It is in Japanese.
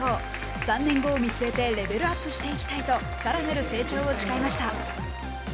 「３年後を見据えてレベルアップしていきたい」とさらなる成長を誓いました。